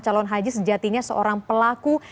calon haji sejatinya seorang pelaku